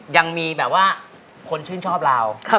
ยังมีแบบว่าคนชื่นชอบเรา